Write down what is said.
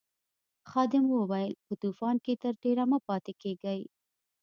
خادم وویل په طوفان کې تر ډېره مه پاتې کیږئ.